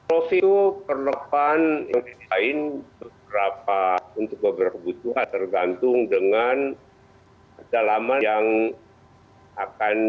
oke profil perlu panitain berapa untuk beberapa kebutuhan tergantung dengan dalaman yang akan